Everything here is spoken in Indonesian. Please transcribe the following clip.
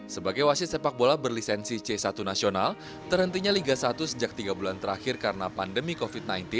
sebagai wasit sepak bola berlisensi c satu nasional terhentinya liga satu sejak tiga bulan terakhir karena pandemi covid sembilan belas